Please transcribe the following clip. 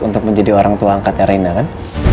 untuk menjadi orang tua angkatnya reina kan